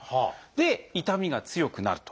で痛みが強くなると。